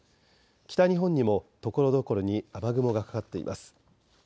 北日本にもところどころに雨雲がかかっています。